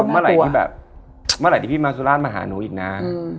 เมื่อไหร่ที่พี่มาสุราชมาหาหนูอีกนาน